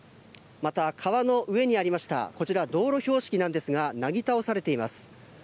また、川の上にありましたこちら、道路標識なんですが、なぎ倒されています。